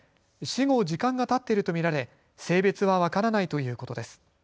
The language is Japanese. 死後、時間がたっていると見られ性別は分からないということです。